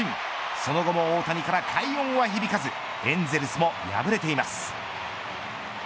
その後も大谷から快音は響かずエンゼルスも敗れています。